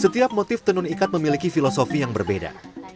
setiap motif tenun ikat memiliki filosofi yang berbeda